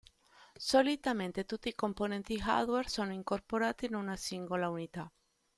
Solitamente tutti i componenti hardware sono incorporati in una singola unità.